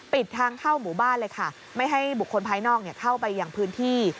ปิดทางเข้าหมู่บ้านเลยค่ะไม่ให้บุคคลภายนอกเข้าไปอย่างพื้นที่